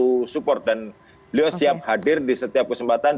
kami support dan beliau siap hadir di setiap kesempatan